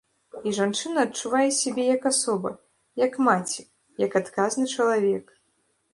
І жанчына адчувае сябе як асоба, як маці, як адказны чалавек.